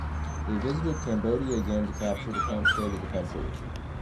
They visited Cambodia again to capture the current state of the country.